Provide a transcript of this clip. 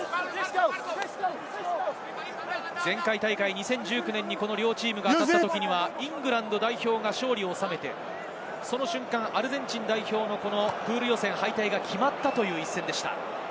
前回大会２０１９年に両チームが戦ったときには、イングランド代表が勝利を収めて、その瞬間アルゼンチン代表のプール予選敗退が決まったという一戦でした。